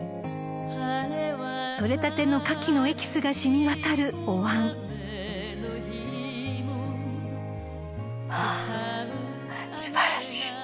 ［取れたての牡蠣のエキスが染みわたるおわん］わ素晴らしい。